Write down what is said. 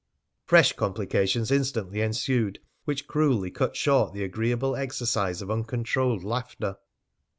Fresh complications instantly ensued which cruelly cut short the agreeable exercise of uncontrolled laughter.